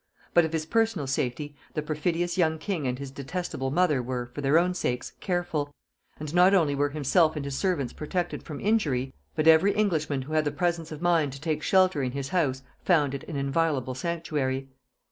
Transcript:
But of his personal safety the perfidious young king and his detestable mother were, for their own sakes, careful; and not only were himself and his servants protected from injury, but every Englishman who had the presence of mind to take shelter in his house found it an inviolable sanctuary.